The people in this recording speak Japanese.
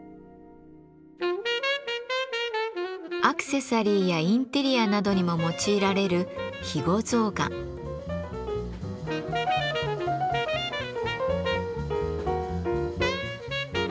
アクセサリーやインテリアなどにも用いられる肥後象がん。